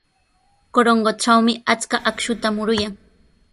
Corongotrawmi achka akshuta muruyan.